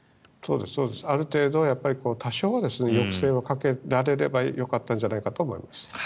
ある程度、多少は抑制をかけられればよかったんじゃないかとは思います。